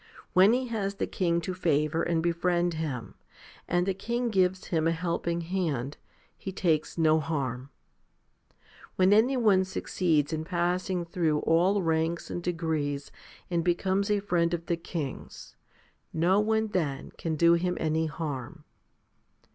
When he has the king to favour and befriend him, and the king gives him a helping hand, he takes no harm. When any one succeeds in passing through all ranks and degrees and becomes a friend of the king's, no one then can do him any harm.